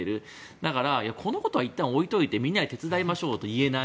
だから、このことはいったん置いておいてみんなで手伝いましょうと言えない。